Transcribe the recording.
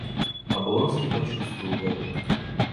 Облонский почувствовал это.